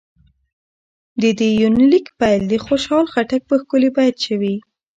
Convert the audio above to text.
د دې يونليک پيل د خوشحال خټک په ښکلي بېت شوې